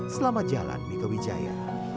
selamat jalan mika wijaya